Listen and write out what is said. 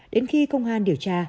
đến khi công an điều tra